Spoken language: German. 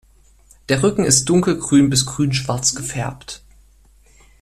Der Rücken ist dunkelgrün bis grünschwarz gefärbt.